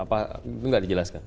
itu enggak dijelaskan